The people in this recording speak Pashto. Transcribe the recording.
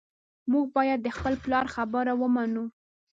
موږ باید د خپل پلار خبره ومنو